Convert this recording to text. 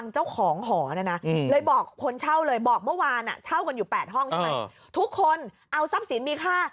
เช่าเลยบอกเมื่อวานเช่ากันอยู่๘ห้องทุกคนเอาทรัพย์ศิลป์มีค่า